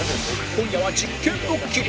今夜は実験ドッキリ